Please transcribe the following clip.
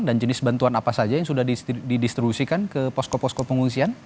dan jenis bantuan apa saja yang sudah didistribusikan ke posko posko pengungsian